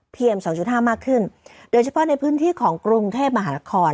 สองจุดห้ามากขึ้นโดยเฉพาะในพื้นที่ของกรุงเทพมหานคร